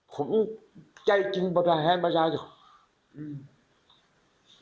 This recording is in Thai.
ผมใจจริงแทนประชาชน